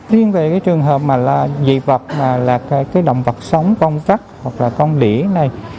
riêng về trường hợp dị vật là động vật sống con vắt hoặc là con đĩa này